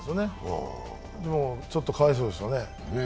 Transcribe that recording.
でも、ちょっとかわいそうですよね。